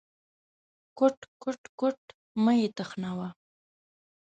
_کوټ، کوټ، کوټ… مه مې تخنوه.